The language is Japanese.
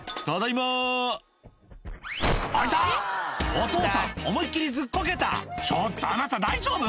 お父さん思いっ切りずっこけた「ちょっとあなた大丈夫？」